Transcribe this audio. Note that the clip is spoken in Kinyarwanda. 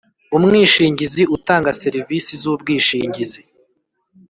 umwishingizi utanga serivisi z ubwishingizi